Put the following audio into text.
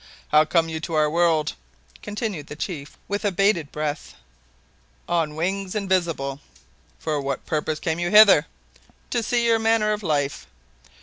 "How came you to our world?" continued the chief with abated breath. "On wings invisible." "For what purpose came you hither?" "To see your manner of life."